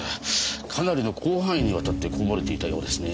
かなりの広範囲にわたってこぼれていたようですね。